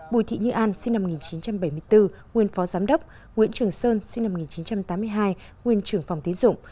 bùi thị như an sinh năm một nghìn chín trăm bảy mươi bốn nguyên phó giám đốc nguyễn trường sơn sinh năm một nghìn chín trăm tám mươi hai nguyên trưởng phòng tín dụng